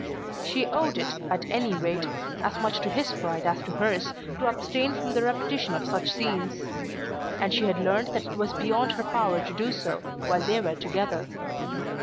She owed it, at any rate, as much to his pride as to hers to abstain from the repetition of such scenes; and she had learned that it was beyond her power to do so while they were together.